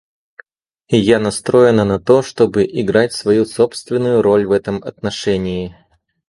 И я настроена на то, чтобы играть свою собственную роль в этом отношении.